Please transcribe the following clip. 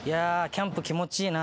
キャンプ気持ちいいな。